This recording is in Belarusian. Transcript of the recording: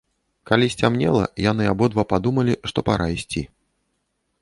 Калі сцямнела, яны абодва падумалі, што пара ісці.